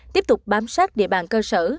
tiếp tục bám sát địa bàn cơ sở